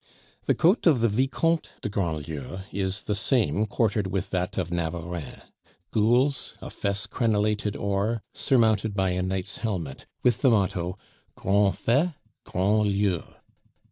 The coat of the Vicomtes de Grandlieu is the same quartered with that of Navarreins: gules, a fess crenelated or, surmounted by a knight's helmet, with the motto: Grands faits, grand lieu.